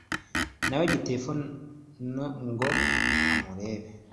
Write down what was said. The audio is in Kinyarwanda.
Na we Gitefano ngo amurebe